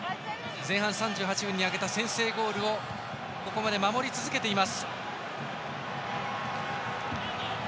前半３８分に上げた先制ゴールをここまで守り続けています。